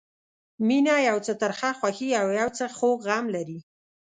مینه یو څه ترخه خوښي او یو څه خوږ غم لري.